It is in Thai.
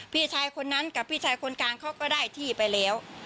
พี่ชายคนนั้นกับพี่ชายคนกลางเขาก็ได้ที่ไปแล้ว